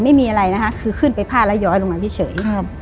ไม่มีอะไรนะคะคือขึ้นไปผ้าแล้วย้อยลงมาเฉยครับ